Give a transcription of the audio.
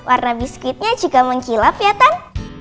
warna biskuitnya jika mengkilap ya tan